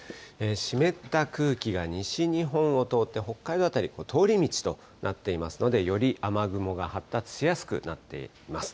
湿った空気が西日本を通って北海道辺り、通り道となっていますので、より雨雲が発達しやすくなっています。